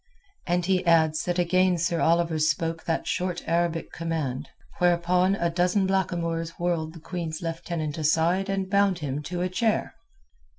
And he adds that again Sir Oliver spoke that short Arabic command, whereupon a dozen blackamoors whirled the Queen's Lieutenant aside and bound him to a chair.